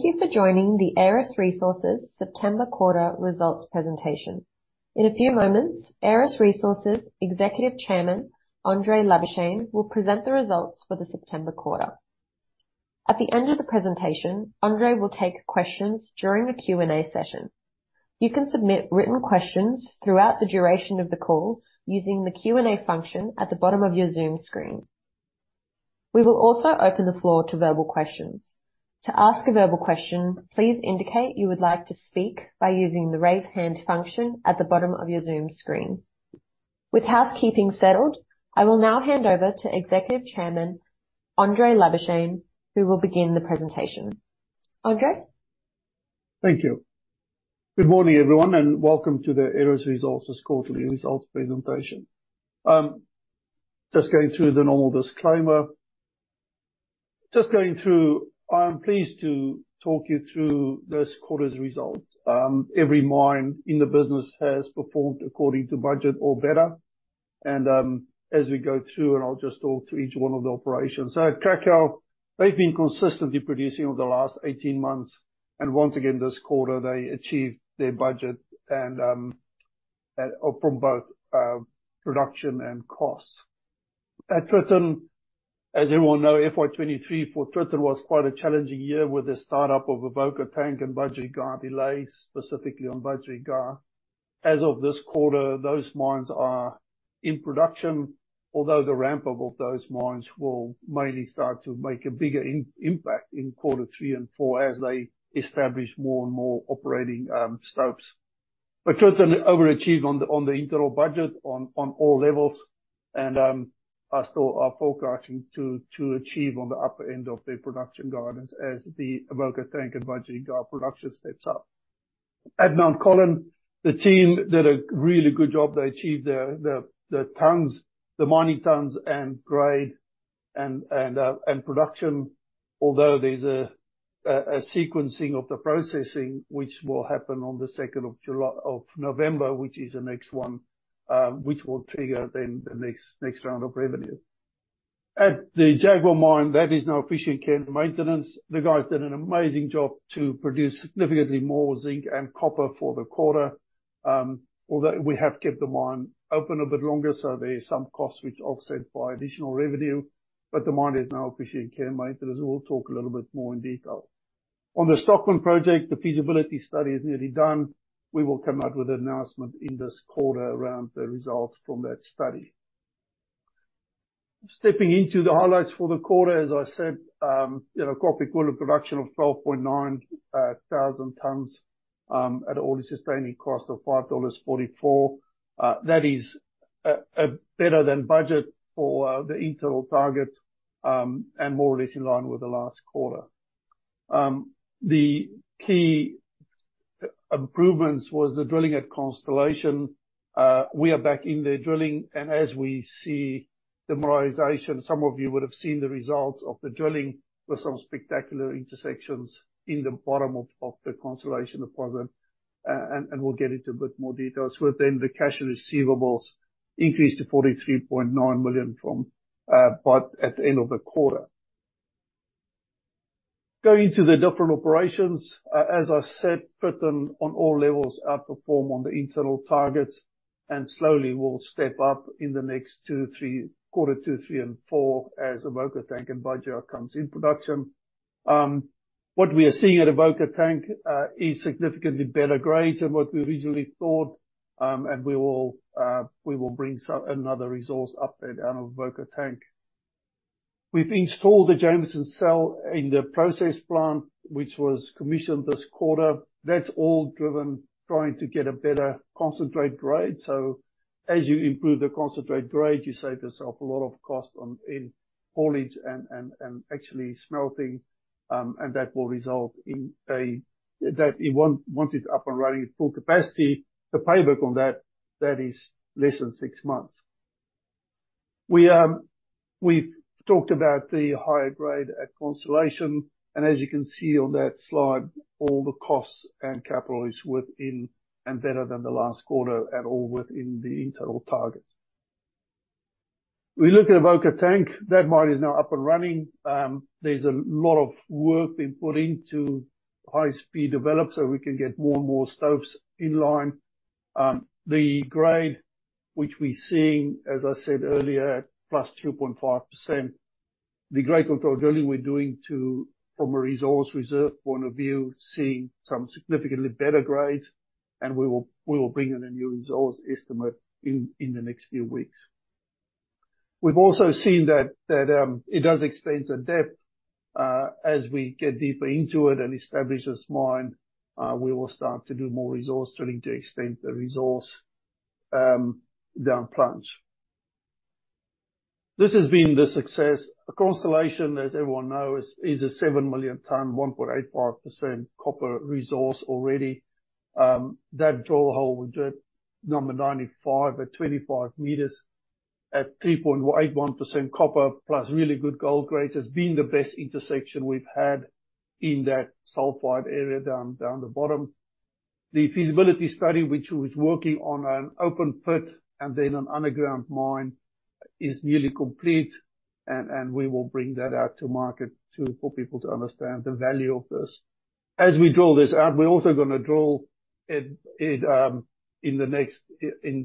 Thank you for joining the Aeris Resources September quarter results presentation. In a few moments, Aeris Resources Executive Chairman, André Labuschagne, will present the results for the September quarter. At the end of the presentation, André will take questions during the Q&A session. You can submit written questions throughout the duration of the call using the Q&A function at the bottom of your Zoom screen. We will also open the floor to verbal questions. To ask a verbal question, please indicate you would like to speak by using the Raise Hand function at the bottom of your Zoom screen. With housekeeping settled, I will now hand over to Executive Chairman André Labuschagne, who will begin the presentation. André? Thank you. Good morning, everyone, and welcome to the Aeris Resources quarterly results presentation. Just going through the normal disclaimer. I'm pleased to talk you through this quarter's results. Every mine in the business has performed according to budget or better, and as we go through, I'll just talk through each one of the operations. So at Cracow, they've been consistently producing over the last 18 months, and once again, this quarter, they achieved their budget and from both production and costs. At Tritton, as everyone know, FY 2023 for Tritton was quite a challenging year with the startup of Avoca Tank and Budgerygar delays, specifically on Budgerygar. As of this quarter, those mines are in production, although the ramp-up of those mines will mainly start to make a bigger impact in quarter three and four as they establish more and more operating stopes. But Tritton overachieved on the internal budget on all levels and are still forecasting to achieve on the upper end of their production guidance as the Avoca Tank and Budgerygar production steps up. At Mt Colin, the team did a really good job. They achieved the tons, the mining tons, and grade and production. Although there's a sequencing of the processing, which will happen on the 2nd of July—of November, which is the next one, which will trigger then the next round of revenue. At the Jaguar mine, that is now officially in Care and Maintenance. The guys did an amazing job to produce significantly more zinc and copper for the quarter, although we have kept the mine open a bit longer, so there is some costs which are offset by additional revenue, but the mine is now officially in care and maintenance. We'll talk a little bit more in detail. On the Stockman Project, the feasibility study is nearly done. We will come out with an announcement in this quarter around the results from that study. Stepping into the highlights for the quarter, as I said, you know, copper equal production of 12,900 tons, at all sustaining cost of 5.44 dollars. That is better than budget for the internal target, and more or less in line with the last quarter. The key improvements was the drilling at Constellation. We are back in the drilling, and as we see the mineralization, some of you would have seen the results of the drilling with some spectacular intersections in the bottom of, of the Constellation deposit, and we'll get into a bit more details with them. The cash receivables increased to 43.9 million from, but at the end of the quarter. Going into the different operations, as I said, Tritton on all levels, outperform on the internal targets, and slowly we'll step up in the next two, three, quarter two, three and four as Avoca Tank and Budgerygar comes in production. What we are seeing at Avoca Tank is significantly better grades than what we originally thought. And we will, we will bring some, another resource update out of Avoca Tank. We've installed the Jameson Cell in the process plant, which was commissioned this quarter. That's all driven, trying to get a better concentrate grade. So as you improve the concentrate grade, you save yourself a lot of cost on in haulage and actually smelting, and that will result in once it's up and running at full capacity, the payback on that is less than six months. We've talked about the higher grade at Constellation, and as you can see on that slide, all the costs and capital is within and better than the last quarter at all within the internal targets. We look at Avoca Tank, that mine is now up and running. There's a lot of work being put into high-speed development, so we can get more and more stopes in line. The grade which we're seeing, as I said earlier, +2.5%. The grade control drilling we're doing too, from a resource reserve point of view, seeing some significantly better grades, and we will bring in a new resource estimate in the next few weeks. We've also seen that it does extend the depth. As we get deeper into it and establish this mine, we will start to do more resource drilling to extend the resource down plunge. This has been the success. Constellation, as everyone knows, is a 7 million tonne, 1.85% copper resource already. That drill hole, we drilled number 95 at 25 meters at 3.81% copper, plus really good gold grades, has been the best intersection we've had in that sulfide area down the bottom. The feasibility study, which was working on an open pit and then an underground mine, is nearly complete, and we will bring that out to market for people to understand the value of this. As we draw this out, we're also gonna draw it in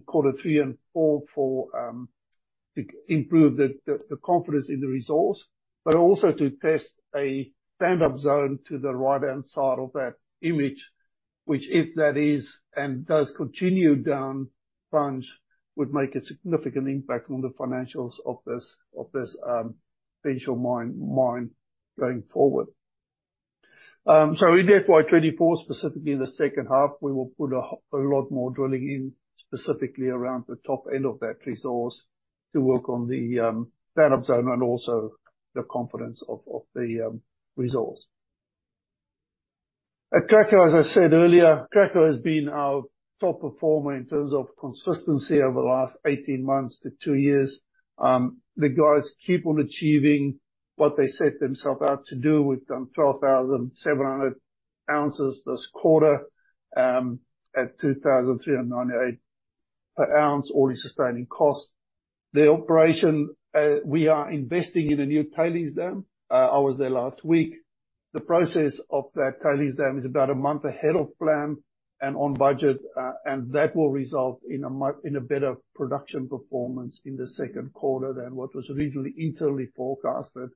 quarter three and four to improve the confidence in the resource, but also to test a stand-up zone to the right-hand side of that image, which if that is and does continue down plunge, would make a significant impact on the financials of this potential mine going forward. So in FY 2024, specifically in the H2, we will put a lot more drilling in, specifically around the top end of that resource, to work on the stand-up zone and also the confidence of the resource. At Cracow, as I said earlier, Cracow has been our top performer in terms of consistency over the last 18 months to two years. The guys keep on achieving what they set themselves out to do. We've done 12,700 ounces this quarter, at 2,398 per ounce, all-in sustaining costs. The operation, we are investing in a new tailings dam. I was there last week. The process of that tailings dam is about a month ahead of plan and on budget, and that will result in a better production performance in the Q2 than what was originally internally forecasted.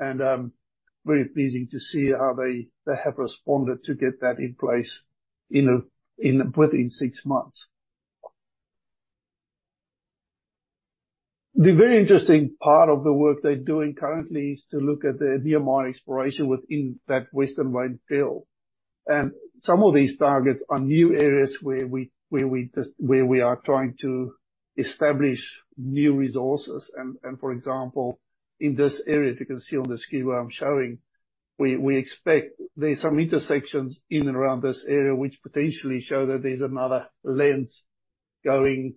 Very pleasing to see how they, they have responded to get that in place within six months. The very interesting part of the work they're doing currently is to look at the near mine exploration within that Western Mine Field. Some of these targets are new areas where we, where we are trying to establish new resources. For example, in this area, if you can see on the screen where I'm showing, we, we expect there's some intersections in and around this area which potentially show that there's another lens going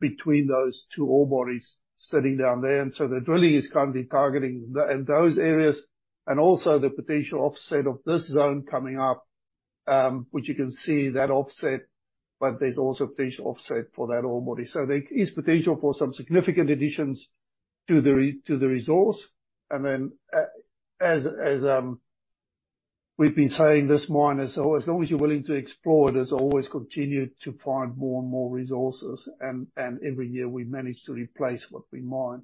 between those two ore bodies sitting down there. The drilling is currently targeting in those areas, and also the potential offset of this zone coming up, which you can see that offset, but there's also potential offset for that ore body. So there is potential for some significant additions to the resource. And then, as we've been saying, this mine, as long as you're willing to explore it, has always continued to find more and more resources, and every year, we manage to replace what we mine.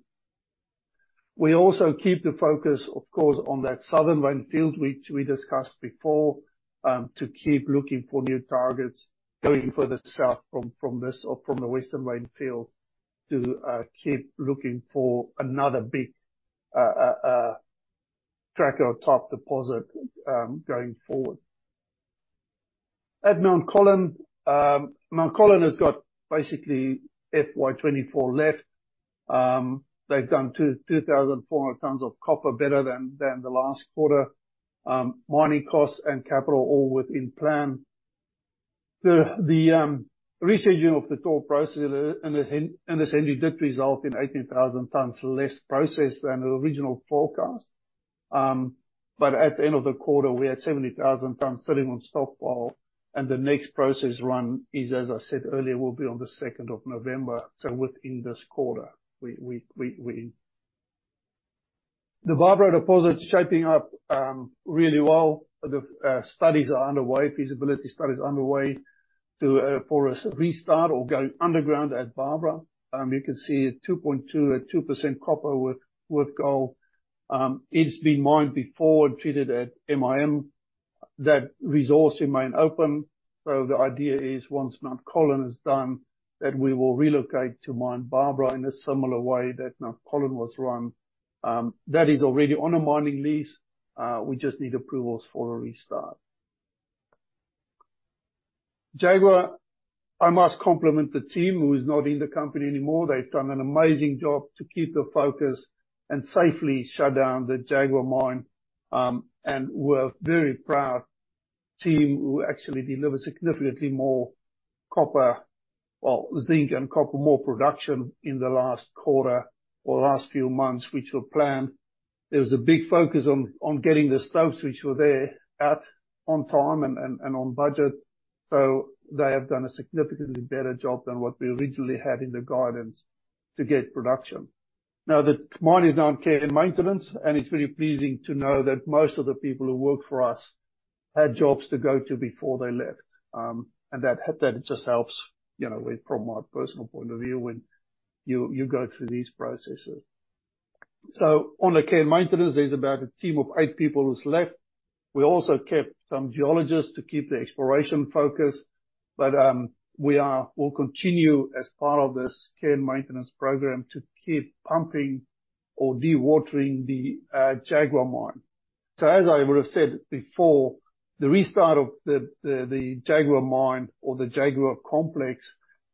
We also keep the focus, of course, on that Southern Mine Field, which we discussed before, to keep looking for new targets going further south from this or from the western mine field, to keep looking for another big tracker or top deposit, going forward. At Mt Colin, Mt Colin has got basically FY 2024 left. They've done 2,400 tons of copper, better than the last quarter. Mining costs and capital, all within plan. The rescheduling of the ore process and this has resulted in 18,000 tons less processed than the original forecast. At the end of the quarter, we had 70,000 tons sitting on stockpile, and the next process run, as I said earlier, will be on the second of November, so within this quarter, we, we, we... The Barbara deposit is shaping up really well. The studies are underway, feasibility study is underway for us to restart or go underground at Barbara. You can see 2.2 at 2% copper with gold. It's been mined before and treated at MIM. That resource remained open, so the idea is once Mt Colin is done, that we will relocate to mine Barbara in a similar way that Mt Colin was run. That is already on a mining lease. We just need approvals for a restart. Jaguar, I must compliment the team who is not in the company anymore. They've done an amazing job to keep the focus and safely shut down the Jaguar mine. And we're very proud team who actually delivered significantly more copper, or zinc and copper, more production in the last quarter or last few months, which were planned. There was a big focus on getting the stopes, which were there, out on time and on budget. So they have done a significantly better job than what we originally had in the guidance to get production. Now, the mine is now in care and maintenance, and it's really pleasing to know that most of the people who work for us had jobs to go to before they left. And that just helps, you know, with from my personal point of view, when you go through these processes. So on the care and maintenance, there's about a team of eight people who's left. We also kept some geologists to keep the exploration focused, but we'll continue as part of this care and maintenance program to keep pumping or dewatering the Jaguar mine. So as I would have said before, the restart of the Jaguar mine or the Jaguar complex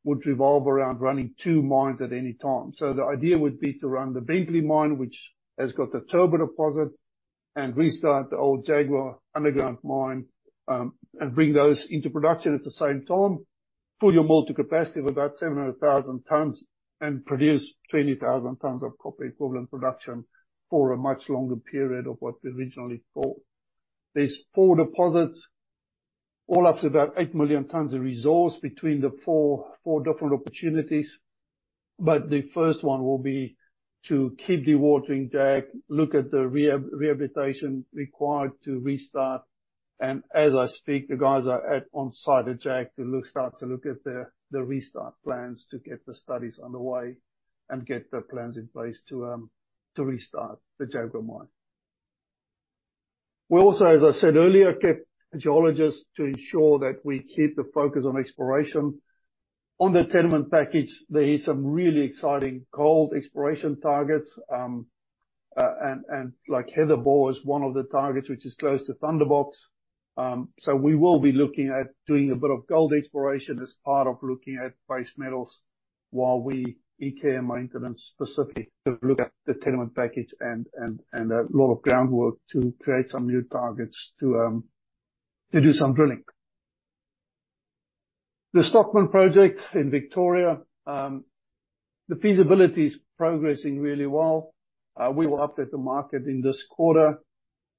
would revolve around running two mines at any time. So the idea would be to run the Bentley mine, which has got the Turbo deposit, and restart the old Jaguar underground mine, and bring those into production at the same time. Fill your mill capacity of about 700,000 tons and produce 20,000 tons of copper equivalent production for a much longer period than what we originally thought. There are four deposits, all up to about 8 million tons of resource between the four, four different opportunities, but the first one will be to keep dewatering Jag, look at the rehabilitation required to restart. And as I speak, the guys are on site at Jag to start to look at the restart plans to get the studies underway and get the plans in place to restart the Jaguar mine. We also, as I said earlier, kept geologists to ensure that we keep the focus on exploration. On the tenement package, there is some really exciting gold exploration targets. Like Heather Bore is one of the targets, which is close to Thunderbox. So we will be looking at doing a bit of gold exploration as part of looking at base metals while in care and maintenance, specifically to look at the tenement package and a lot of groundwork to create some new targets to do some drilling. The Stockman project in Victoria, the feasibility is progressing really well. We will update the market in this quarter.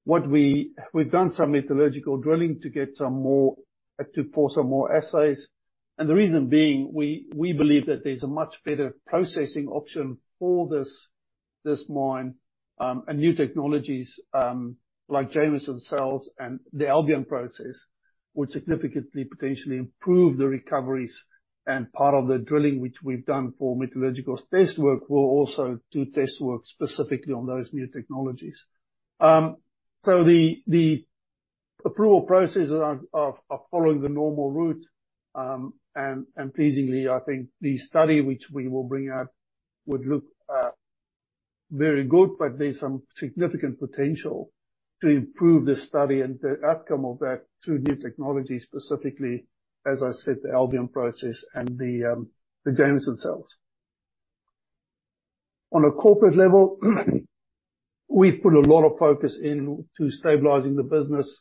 What we've done some metallurgical drilling to get some more for some more assays. And the reason being, we believe that there's a much better processing option for this mine, and new technologies, like Jameson Cells and the Albion Process, would significantly, potentially improve the recoveries. And part of the drilling, which we've done for metallurgical test work, will also do test work specifically on those new technologies. So the approval processes are following the normal route, and pleasingly, I think the study which we will bring out would look very good. But there's some significant potential to improve this study and the outcome of that through new technology, specifically, as I said, the Albion Process and the Jameson Cells. On a corporate level, we've put a lot of focus in to stabilizing the business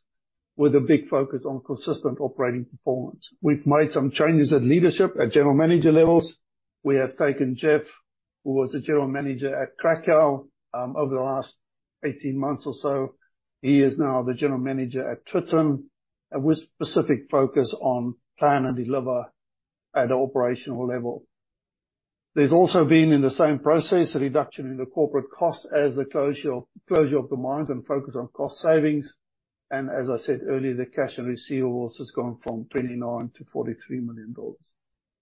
with a big focus on consistent operating performance. We've made some changes at leadership, at general manager levels. We have taken Jeff, who was the general manager at Cracow, over the last 18 months or so. He is now the general manager at Tritton, and with specific focus on plan and deliver at the operational level. There's also been, in the same process, a reduction in the corporate cost as the closure of the mines and focus on cost savings. And as I said earlier, the cash and receivables has gone from 29 million to 43 million dollars.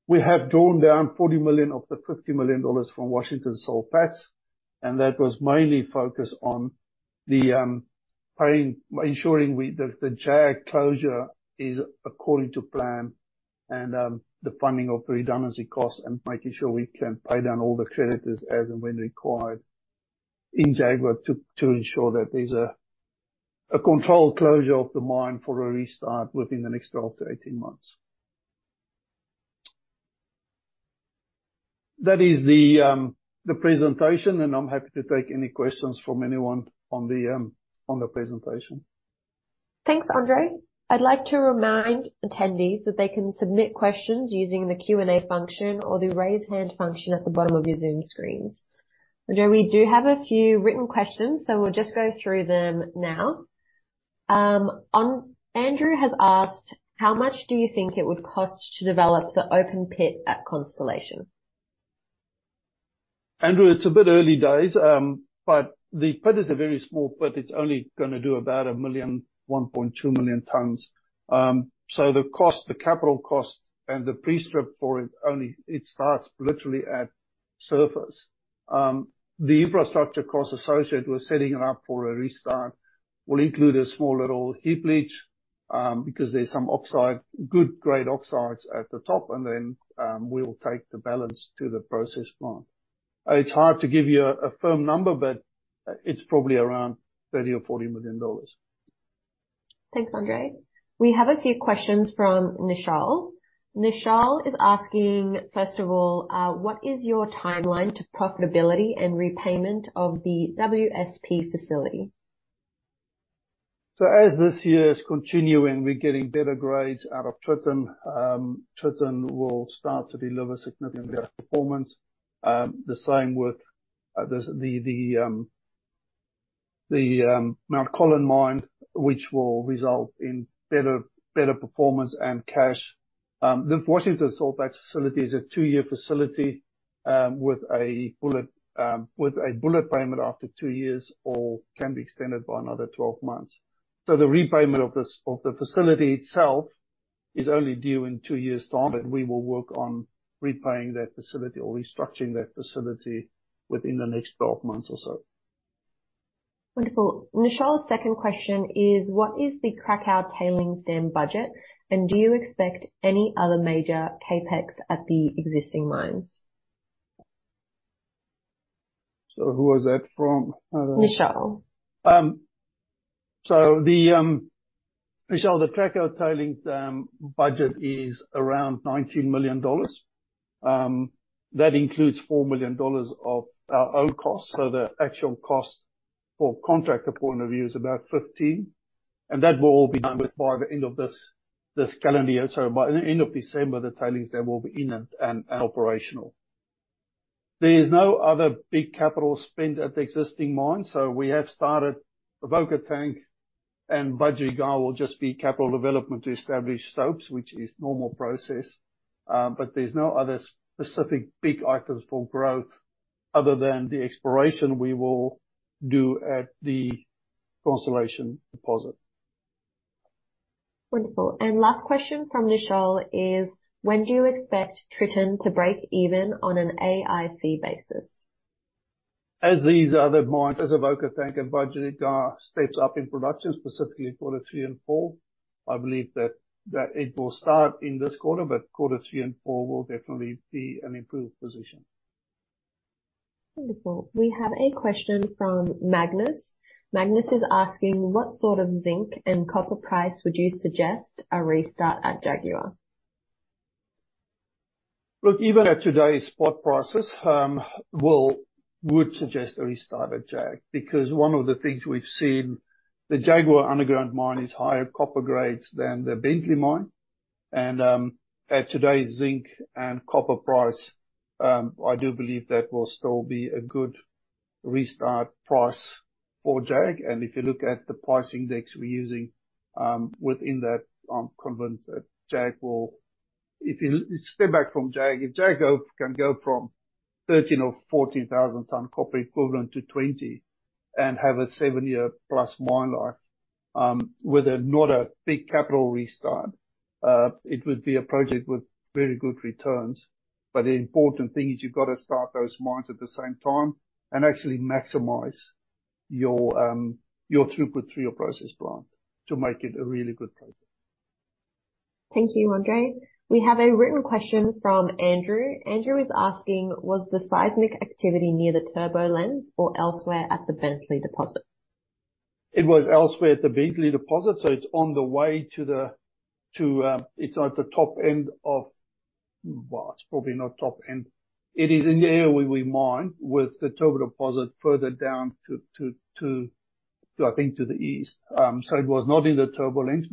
We have drawn down 40 million of the 50 million dollars from Washington H. Soul Pattinson, and that was mainly focused on ensuring we the Jag closure is according to plan, and the funding of the redundancy costs, and making sure we can pay down all the creditors as and when required in Jaguar to ensure that there's a controlled closure of the mine for a restart within the next 12-18 months. That is the presentation, and I'm happy to take any questions from anyone on the presentation. Thanks, André. I'd like to remind attendees that they can submit questions using the Q&A function or the raise hand function at the bottom of your Zoom screens. André, we do have a few written questions, so we'll just go through them now. Andrew has asked: How much do you think it would cost to develop the open pit at Constellation? Andrew, it's a bit early days, but the pit is a very small pit. It's only gonna do about 1 million-1.2 million tons. So the cost, the capital cost and the pre-strip for it, only it starts literally at surface. The infrastructure costs associated with setting it up for a restart will include a small little heap leach, because there's some oxide, good grade oxides at the top, and then we'll take the balance to the process plant. It's hard to give you a, a firm number, but it's probably around 30 million or 40 million dollars. Thanks, Andre. We have a few questions from Nichelle. Nichelle is asking, first of all: What is your timeline to profitability and repayment of the WSP facility? As this year is continuing, we're getting better grades out of Tritton. Tritton will start to deliver significantly better performance. The same with the Mt Colin mine, which will result in better, better performance and cash. The Washington H. Soul Pattinson facility is a 2-year facility, with a bullet, with a bullet payment after two years or can be extended by another 12 months. So the repayment of the facility itself is only due in two years' time, but we will work on repaying that facility or restructuring that facility within the next 12 months or so. Wonderful. Nichelle's second question is: What is the Cracow tailings dam budget, and do you expect any other major CapEx at the existing mines? So who was that from? I don't know. Nichelle. So the Nichelle, the Cracow tailings budget is around 19 million dollars. That includes 4 million dollars of our own costs, so the actual cost for contractor point of view is about 15 million, and that will all be done with by the end of this calendar year. So by the end of December, the tailings dam will be in and operational. There is no other big capital spend at the existing mine, so we have started Avoca Tank, and Budgerygar will just be capital development to establish stopes, which is normal process. But there's no other specific big items for growth other than the exploration we will do at the Constellation deposit. Wonderful. Last question from Nichelle is: When do you expect Tritton to break even on an AISC basis? As these other mines, Avoca Tank and Budgerygar, step up in production, specifically quarter three and four, I believe that, that it will start in this quarter, but quarter three and four will definitely be an improved position. Wonderful. We have a question from Magnus. Magnus is asking: What sort of zinc and copper price would you suggest a restart at Jaguar? Look, even at today's spot prices, we would suggest a restart at Jag. Because one of the things we've seen, the Jaguar underground mine is higher copper grades than the Bentley mine, and at today's zinc and copper price, I do believe that will still be a good restart price for Jag. And if you look at the price index we're using, within that, I'm convinced that Jag will... If you step back from Jag, if Jag go, can go from 13 or 14 thousand ton copper equivalent to 20, and have a 7-year+ mine life, with not a big capital restart, it would be a project with very good returns. But the important thing is you've got to start those mines at the same time and actually maximize your, your throughput through your process plant to make it a really good project. Thank you, André. We have a written question from Andrew. Andrew is asking: Was the seismic activity near the Turbo lens or elsewhere at the Bentley deposit? It was elsewhere at the Bentley deposit, so it's on the way to the. It's at the top end of—well, it's probably not top end. It is in the area where we mine, with the Turbo deposit further down to, I think, to the east. So it was not in the Turbo lens.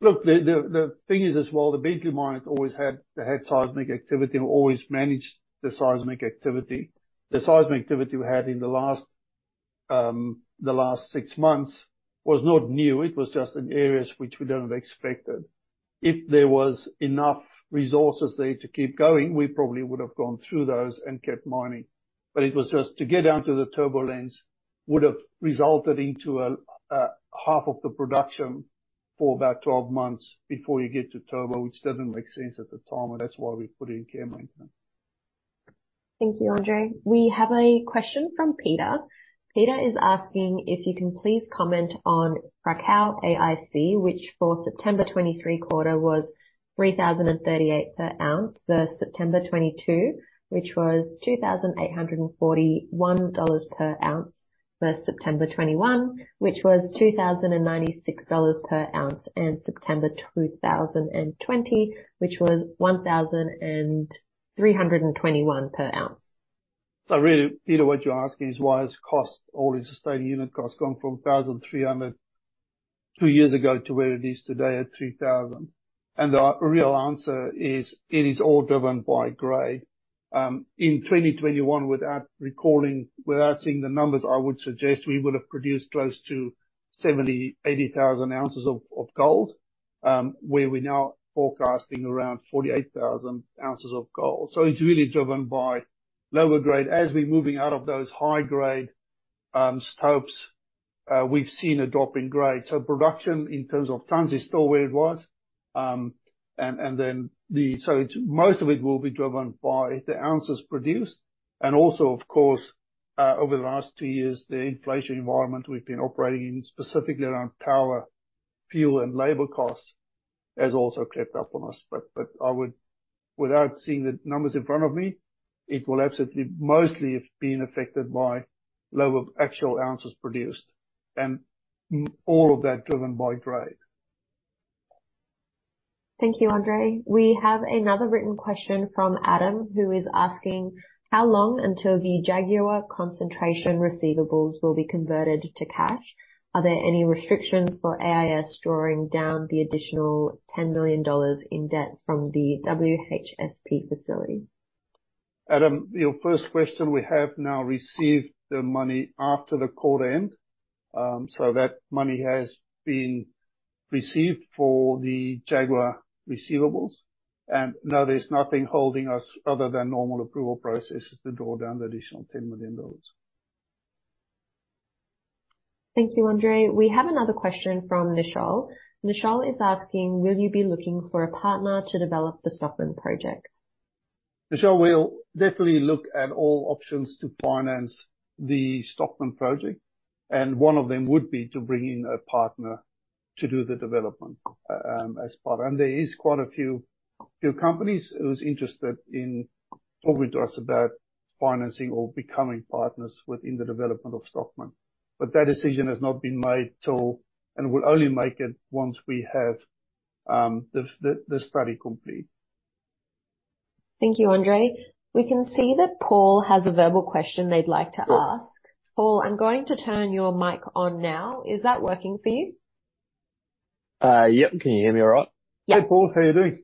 But look, the thing is, as well, the Bentley mine has always had seismic activity and always managed the seismic activity. The seismic activity we had in the last six months was not new. It was just in areas which we don't have expected. If there was enough resources there to keep going, we probably would have gone through those and kept mining. But it was just to get down to the Turbo lens would've resulted into a half of the production for about 12 months before you get to Turbo, which doesn't make sense at the time, and that's why we put in care and maintenance. Thank you, André. We have a question from Peter. Peter is asking if you can please comment on AISC, which for September 2023 quarter was 3,038 per ounce, versus September 2022, which was 2,841 dollars per ounce, versus September 2021, which was 2,096 dollars per ounce, and September 2020, which was 1,321 per ounce. So really, Peter, what you're asking is why has cost, all-in sustaining unit costs, gone from 1,300 two years ago to where it is today at 3,000? And the real answer is, it is all driven by grade. In 2021, without recalling, without seeing the numbers, I would suggest we would have produced close to 70,000 ounce-80,000 ounces of gold. Where we're now forecasting around 48,000 ounces of gold. So it's really driven by lower grade. As we're moving out of those high-grade stopes, we've seen a drop in grade. So production, in terms of tons, is still where it was. And then the—so it's, most of it will be driven by the ounces produced. And also, of course, over the last two years, the inflation environment we've been operating in, specifically around power, fuel, and labor costs, has also crept up on us. But I would, without seeing the numbers in front of me, it will absolutely mostly have been affected by lower actual ounces produced, and all of that driven by grade. Thank you, Andre. We have another written question from Adam, who is asking: How long until the Jaguar concentration receivables will be converted to cash? Are there any restrictions for AIS drawing down the additional 10 million dollars in debt from the WHSP facility? Adam, your first question, we have now received the money after the quarter end. So that money has been received for the Jaguar receivables. No, there's nothing holding us other than normal approval processes to draw down the additional 10 million dollars. Thank you, André. We have another question from Nichelle. Nichelle is asking: Will you be looking for a partner to develop the Stockman project? Nichelle, we'll definitely look at all options to finance the Stockman project, and one of them would be to bring in a partner to do the development as partner. There is quite a few companies who's interested in talking to us about financing or becoming partners within the development of Stockman. But that decision has not been made till, and we'll only make it once we have the study complete. Thank you, André. We can see that Paul has a verbal question they'd like to ask. Paul, I'm going to turn your mic on now. Is that working for you? Yep. Can you hear me all right? Yeah, Paul. How are you doing?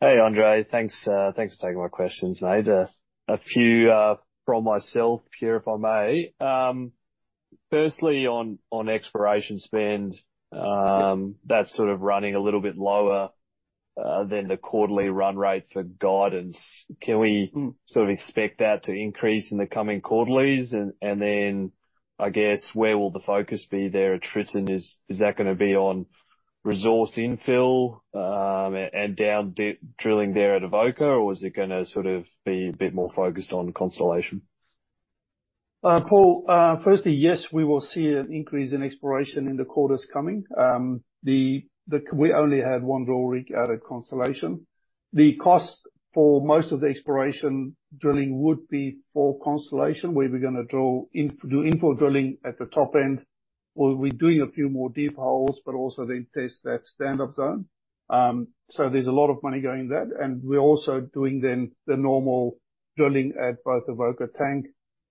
Hey, Andre. Thanks, thanks for taking my questions. I had a few from myself here, if I may. Firstly, on exploration spend, that's sort of running a little bit lower than the quarterly run rate for guidance. Can we- Mm. Sort of expect that to increase in the coming quarterlies? And then, I guess, where will the focus be there at Tritton? Is that gonna be on resource infill, and down-dip drilling there at Avoca, or is it gonna sort of be a bit more focused on Constellation? Paul, firstly, yes, we will see an increase in exploration in the quarters coming. We only had one drill rig out of Constellation. The cost for most of the exploration drilling would be for Constellation, where we're gonna drill and do infill drilling at the top end. We'll be doing a few more deep holes, but also then test that stand-up zone. So there's a lot of money going in that, and we're also doing the normal drilling at both Avoca Tank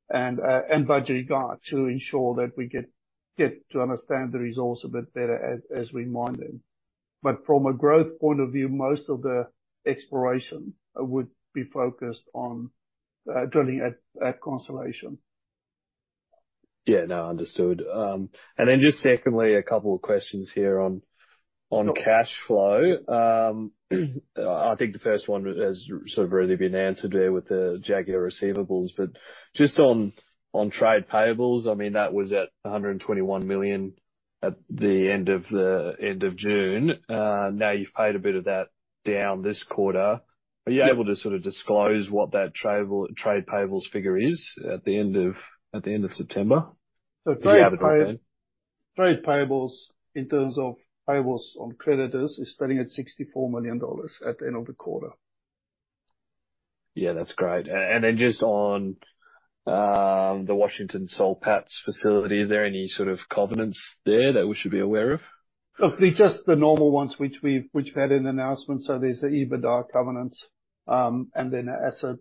and Budgerygar, to ensure that we get to understand the resource a bit better as we mine them. But from a growth point of view, most of the exploration would be focused on drilling at Constellation. Yeah, no, understood. And then just secondly, a couple of questions here on, on cash flow. I think the first one has sort of already been answered there with the Jaguar receivables, but just on, on trade payables, I mean, that was at 121 million at the end of June. Now you've paid a bit of that down this quarter. Yeah. Are you able to sort of disclose what that trade payables figure is at the end of September? So trade pay- Do you have it there? Trade payables, in terms of payables on creditors, is standing at 64 million dollars at the end of the quarter. Yeah, that's great. And then, just on, the Washington H. Soul Pattinson facility, is there any sort of covenants there that we should be aware of? Look, it's just the normal ones which we had in the announcement. So there's the EBITDA covenants, and then asset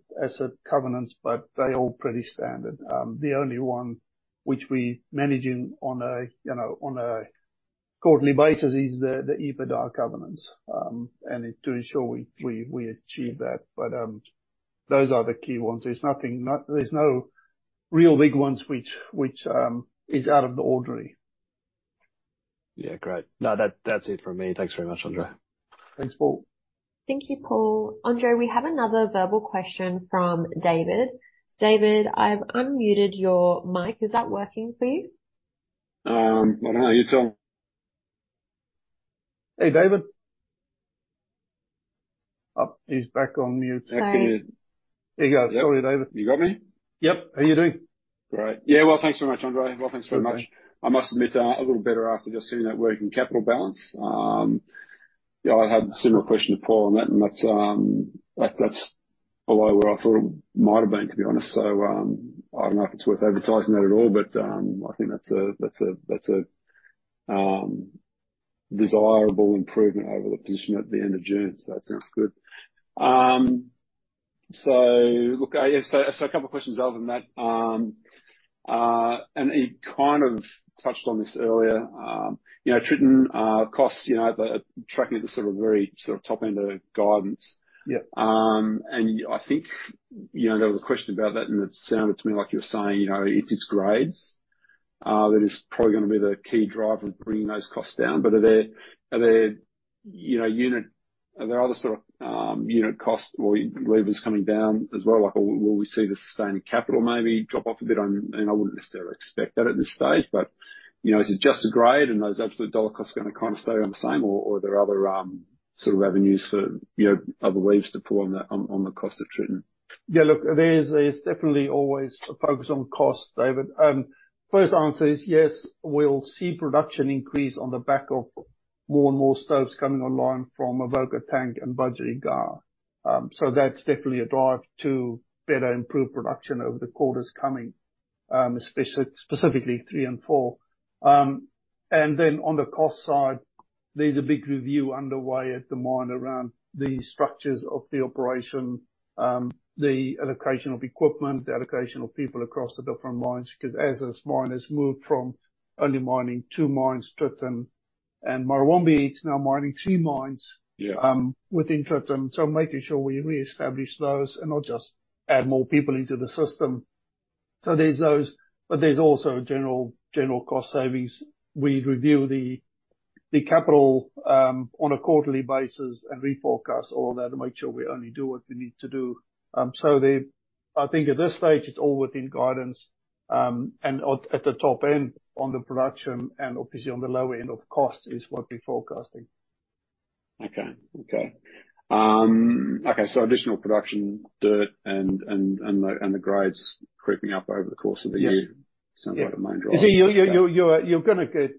covenants, but they're all pretty standard. The only one which we managing on a, you know, on a quarterly basis is the EBITDA covenants, and to ensure we achieve that. But those are the key ones. There's nothing, there's no real big ones which is out of the ordinary. Yeah, great. No, that, that's it from me. Thanks very much, André. Thanks, Paul. Thank you, Paul. André, we have another verbal question from David. David, I've unmuted your mic. Is that working for you? I don't know. You tell me. Hey, David? Oh, he's back on mute. Sorry. There you go. Sorry, David. You got me? Yep. How you doing? Great. Yeah, well, thanks so much, André. Well, thanks very much. Okay. I must admit, a little better after just seeing that working capital balance. Yeah, I had a similar question to Paul on that, and that's, that, that's below where I thought it might have been, to be honest. So, I don't know if it's worth advertising that at all, but, I think that's a, that's a, that's a, desirable improvement over the position at the end of June, so that's sounds good. So look, I, so, so a couple questions other than that, and you kind of touched on this earlier. You know, Tritton, costs, you know, the, tracking at the sort of very sort of top end of guidance. Yep. And I think, you know, there was a question about that, and it sounded to me like you were saying, you know, it's its grades that is probably gonna be the key driver of bringing those costs down. But are there, you know, other sort of unit costs or levers coming down as well? Like, will we see the sustained capital maybe drop off a bit on... And I wouldn't necessarily expect that at this stage, but, you know, is it just the grade and those absolute dollar costs are gonna kind of stay on the same, or are there other sort of revenues for, you know, other waves to pull on the cost of Tritton? Yeah, look, there is, there's definitely always a focus on cost, David. First answer is yes, we'll see production increase on the back of more and more stopes coming online from Avoca Tank and Budgerygar. So that's definitely a drive to better improve production over the quarters coming, specifically three and four. And then on the cost side, there's a big review underway at the mine around the structures of the operation, the allocation of equipment, the allocation of people across the different mines, because as this mine has moved from only mining two mines, Tritton and Murrawombie, it's now mining three mines- Yeah Within Tritton. So making sure we reestablish those and not just add more people into the system. So there's those, but there's also general cost savings. We review the capital on a quarterly basis and reforecast all that to make sure we only do what we need to do. So I think at this stage, it's all within guidance, and at the top end of production, and obviously on the lower end of cost is what we're forecasting. Okay, so additional production, dirt, and the grades creeping up over the course of the year- Yeah. sound like the main driver.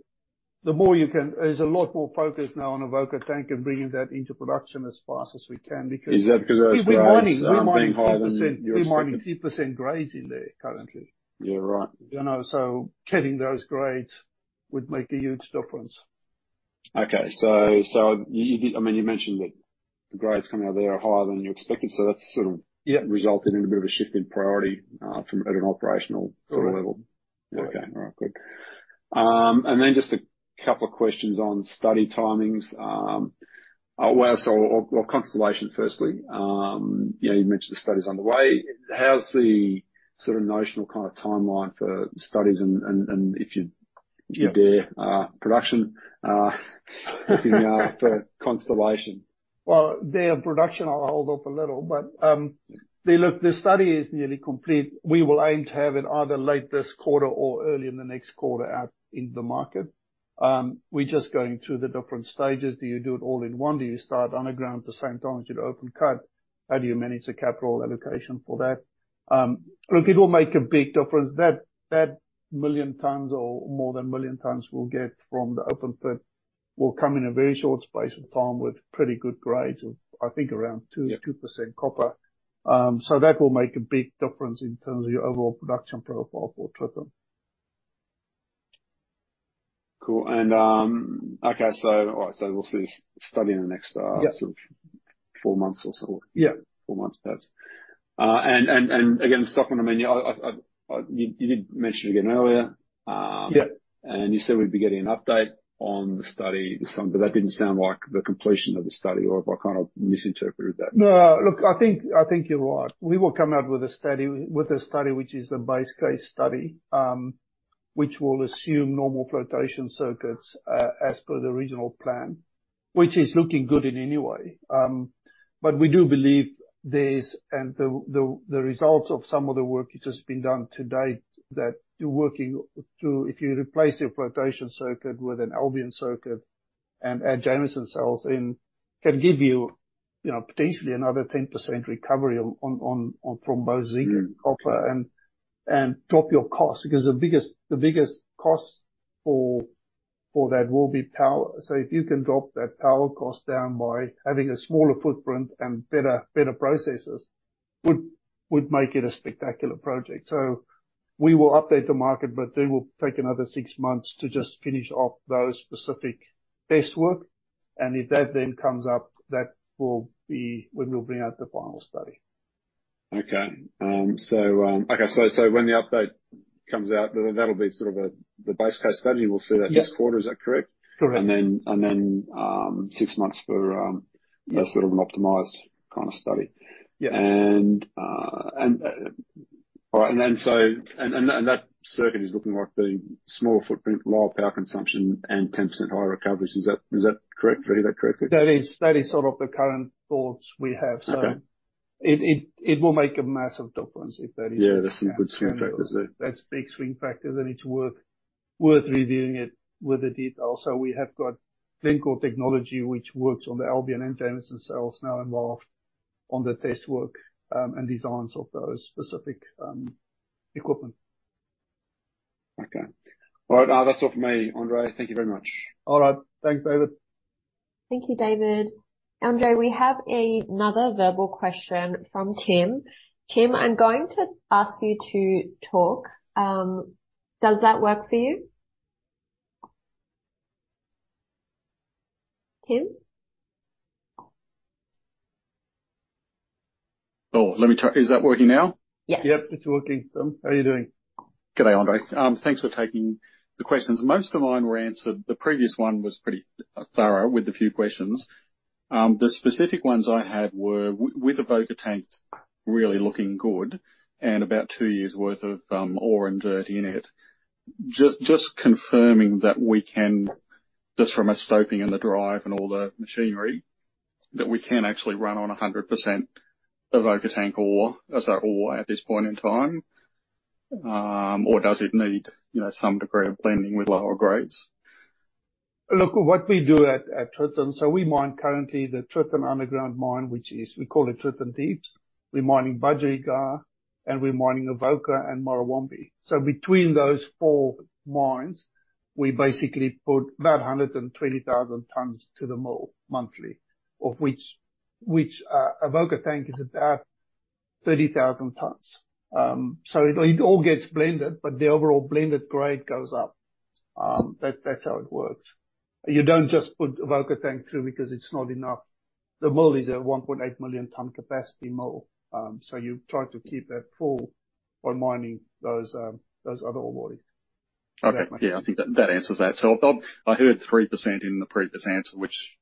The more you can, there's a lot more focus now on Avoca Tank and bringing that into production as fast as we can, because- Is that because those grades are mining higher than you expected? We're mining 2%, we're mining 2% grades in there currently. Yeah, right. You know, so getting those grades would make a huge difference. Okay. So, I mean, you mentioned that the grades coming out of there are higher than you expected, so that's sort of- Yeah. Resulted in a bit of a shift in priority, from at an operational sort of level. Correct. Okay. All right, good. And then just a couple of questions on study timings. Well, or Constellation, firstly. Yeah, you mentioned the study is on the way. How's the sort of notional kind of timeline for studies and if you- Yeah Year production for Constellation? Well, their production, I'll hold up a little, but, they look, the study is nearly complete. We will aim to have it either late this quarter or early in the next quarter out in the market. We're just going through the different stages. Do you do it all in one? Do you start underground at the same time as you do open cut? How do you manage the capital allocation for that? Look, it will make a big difference. That, that 1 million tons or more than 1 million tons we'll get from the open pit, will come in a very short space of time with pretty good grades of, I think, around two, 2% copper. So that will make a big difference in terms of your overall production profile for Tritton. Cool. Okay, so, all right, so we'll see this study in the next... Yeah. Sort of four months or so. Yeah. Four months, perhaps. And again, Stockman, I mean, you did mention again earlier. Yeah And you said we'd be getting an update on the study this summer, but that didn't sound like the completion of the study, or have I kind of misinterpreted that? No, look, I think you're right. We will come out with a study, which is a base case study, which will assume normal flotation circuits, as per the original plan, which is looking good in any way. But we do believe there's the results of some of the work which has been done to date, that you're working to—if you replace your flotation circuit with an Albion circuit and add Jameson cells in, can give you, you know, potentially another 10% recovery on from both zinc- Mm. Copper and drop your cost, because the biggest cost for that will be power. So if you can drop that power cost down by having a smaller footprint and better processes, would make it a spectacular project. So we will update the market, but that will take another six months to just finish off those specific test work. And if that then comes up, that will be when we'll bring out the final study. When the update comes out, then that'll be sort of the base case study. Yeah. We'll see that this quarter, is that correct? Correct. And then, six months for- Yeah.... more sort of an optimized kind of study. Yeah. That circuit is looking like the smaller footprint, lower power consumption and 10% higher recoveries. Is that correct? Read that correctly? That is, that is sort of the current thoughts we have, so- Okay. It will make a massive difference if that is- Yeah, that's some good swing factors there. That's big swing factors, and it's worth reviewing it with the detail. So we have got Glencore Technology, which works on the Albion and Jameson cells, now involved on the test work, and designs of those specific equipment. Okay. All right, that's all from me, André. Thank you very much. All right. Thanks, David. Thank you, David. André, we have another verbal question from Tim. Tim, I'm going to ask you to talk, does that work for you? Tim? Oh, let me talk. Is that working now? Yeah. Yep, it's working. How are you doing? Good day, André. Thanks for taking the questions. Most of mine were answered. The previous one was pretty thorough with a few questions. The specific ones I had were, with the Avoca Tank really looking good and about two years worth of ore already in it, just confirming that we can, just from a stoping in the drive and all the machinery, that we can actually run on 100% Avoca Tank ore, as our ore at this point in time, or does it need, you know, some degree of blending with lower grades? Look, what we do at Tritton, so we mine currently the Tritton Underground mine, which is we call it Tritton Deep. We're mining Budgerygar, and we're mining Avoca and Murrawombie. So between those four mines, we basically put about 120,000 tons to the mill monthly, of which Avoca Tank is about 30,000 tons. So it all gets blended, but the overall blended grade goes up. That's how it works. You don't just put Avoca Tank through because it's not enough. The mill is a 1.8 million ton capacity mill, so you try to keep that full by mining those other ore bodies. Okay. Yeah, I think that answers that. So I heard 3% in the previous answer, which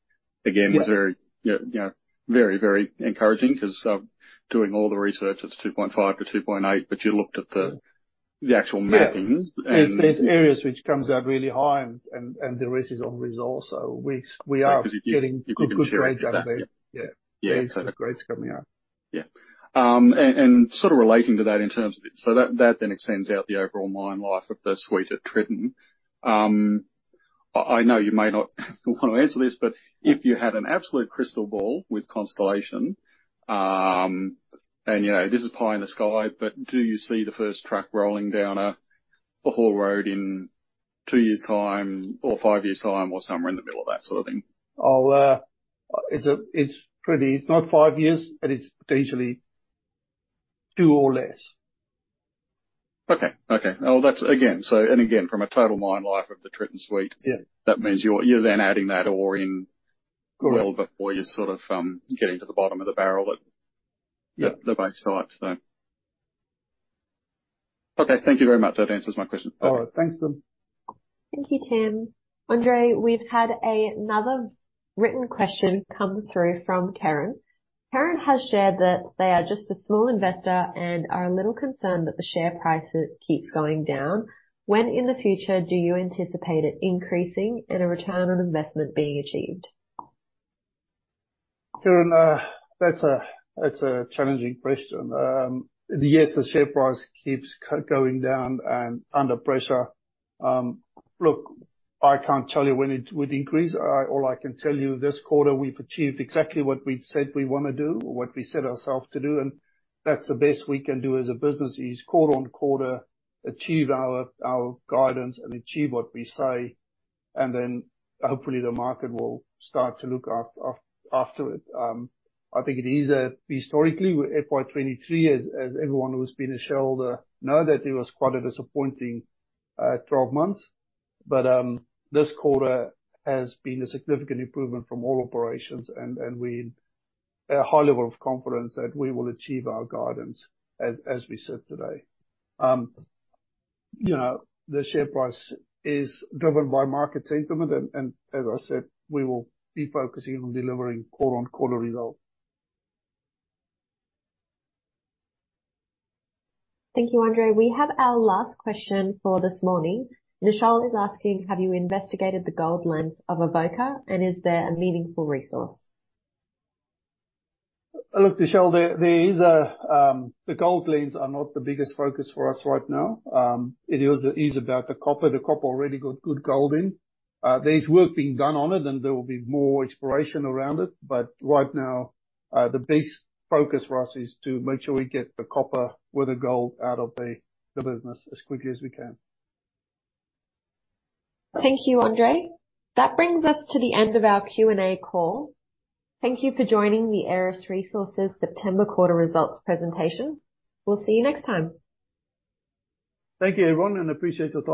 again- Yeah.... was very, yeah, you know, very, very encouraging because, doing all the research, it's 2.5-2.8, but you looked at the actual mappings, and- Yeah. There's areas which comes out really high and there is his own results, so we are getting- You could guarantee that. Yeah. Yeah. There's grades coming out. Yeah. And sort of relating to that in terms of it, so that then extends out the overall mine life of the suite at Tritton. I know you may not want to answer this, but if you had an absolute crystal ball with Constellation, and you know, this is pie in the sky, but do you see the first truck rolling down a haul road in two years time or five years time, or somewhere in the middle of that sort of thing? It's not five years, but it's potentially two or less. Well, that's again from a total mine life of the Tritton Suite. Yeah. That means you're then adding that ore in- Correct. Well before you sort of getting to the bottom of the barrel at- Yeah. The mine site, so. Okay, thank you very much. That answers my question. All right, thanks, Tim. Thank you, Tim. André, we've had another written question come through from Karen. Karen has shared that they are just a small investor and are a little concerned that the share price keeps going down. When in the future do you anticipate it increasing and a return on investment being achieved? Karen, that's a challenging question. Yes, the share price keeps going down and under pressure. Look, I can't tell you when it would increase. All I can tell you, this quarter we've achieved exactly what we've said we wanna do, or what we set ourself to do, and that's the best we can do as a business, is quarter on quarter, achieve our guidance and achieve what we say. And then hopefully, the market will start to look after it. I think, historically, FY 2023, as everyone who's been a shareholder know that it was quite a disappointing 12 months. But, this quarter has been a significant improvement from all operations, and we have a high level of confidence that we will achieve our guidance as we said today. You know, the share price is driven by market sentiment, and as I said, we will be focusing on delivering quarter-on-quarter results. Thank you, André. We have our last question for this morning. Nichelle is asking: have you investigated the gold mines of Avoca, and is there a meaningful resource? Look, Nichelle. The gold mines are not the biggest focus for us right now. It is about the copper. The copper already got good gold in. There's work being done on it, and there will be more exploration around it, but right now, the biggest focus for us is to make sure we get the copper with the gold out of the business as quickly as we can. Thank you, André. That brings us to the end of our Q&A call. Thank you for joining the Aeris Resources September quarter results presentation. We'll see you next time. Thank you, everyone, and appreciate your time.